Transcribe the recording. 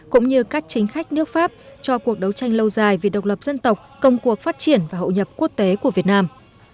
cũng như các chính khách nước pháp cho cuộc đấu tranh lâu dài vì độc lập dân tộc công cuộc phát triển và hậu nhập quốc tế của việt nam